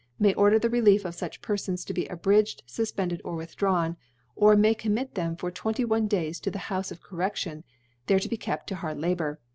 3 • may (65) * may order the Relief of fuch Pcrfons to * be abridged, fufpcnded, or withdrawn, * or may commit them for 2 1 Days to the ' Houfe of Corredlion, there to be kept to * hard Labour.